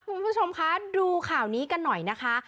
คุณผู้ชมคะดูข่าวนี้กันหน่อยนะคะ